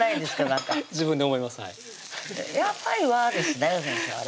やっぱり和ですね先生はね